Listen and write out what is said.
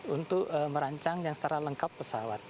untuk merancang yang secara lengkap pesawat